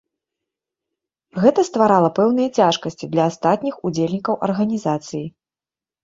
Гэта стварала пэўныя цяжкасці для астатніх удзельнікаў арганізацыі.